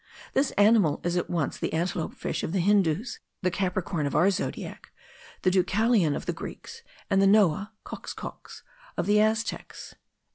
This animal is at once the Antelope fish of the Hindoos, the Capricorn of our zodiac, the Deucalion of the Greeks, and the Noah (Coxcox) of the Azteks.